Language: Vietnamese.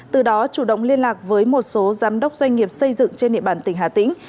từ đó chủ động liên lạc với một số giám đốc doanh nghiệp xây dựng trên địa bàn tỉnh hà tĩnh